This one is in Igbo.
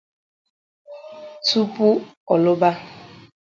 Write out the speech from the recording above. tupuu ọ lụba.